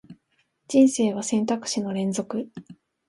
人生は選択肢の連続